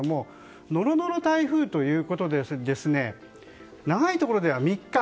ノロノロ台風ということで長いところでは３日。